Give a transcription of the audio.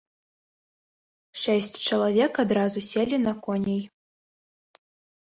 Шэсць чалавек адразу селі на коней.